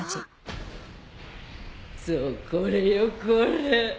そうこれよこれ。